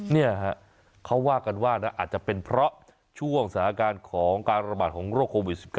เนี่ยฮะเขาว่ากันว่านะอาจจะเป็นเพราะช่วงสถานการณ์ของการระบาดของโรคโควิด๑๙